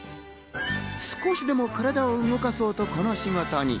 少しでも体を動かそうと、この仕事に。